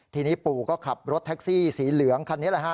ทีนี้ปู่ก็ขับรถแท็กซี่สีเหลืองคันนี้แหละฮะ